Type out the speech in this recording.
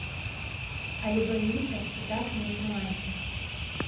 Але баюся, што так не атрымаецца.